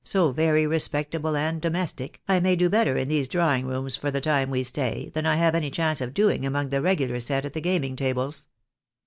SO very respectable and domestic, I may do better in these drawing rooms for the time we stay, than I have any chance of doing among the regular set at the gaming tables.